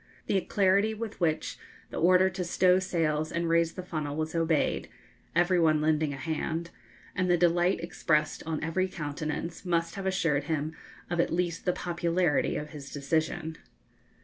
The alacrity with which the order to stow sails and raise the funnel was obeyed every one lending a hand and the delight expressed on every countenance, must have assured him of at least the popularity of his decision.